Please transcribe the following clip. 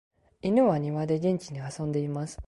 犬は庭で元気に遊んでいます。